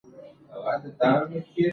د روغتیا ،سلامتۍ هيله .💡